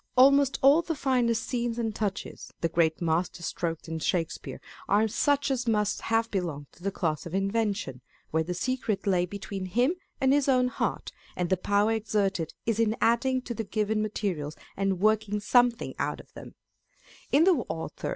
Almost all the finest scenes and touches, the great master strokes in Shakespeare, are such as must have belonged to the class of invention, where the secret lay between him and his own heart, and the power exerted is in adding to the given materials and working something out of them : in the Author 478 Scott, Racine, and Shakespeare.